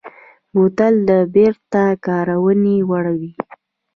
بوتل د بېرته کارونې وړ وي.